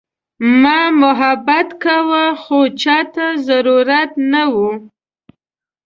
ما محبت کاوه خو چاته ضرورت نه وه.